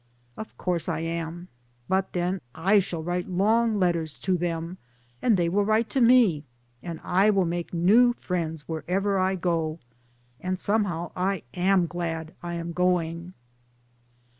"Of course I am, but then I shall write long letters to them, and they will write to DAYS ON THE ROAD. $ me, and I will make new friends wherever I go, and somehow I am glad I am going."